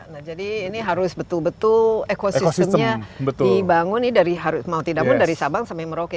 nah jadi ini harus betul betul ekosistemnya dibangun nih dari mau tidak mau dari sabang sampai merauke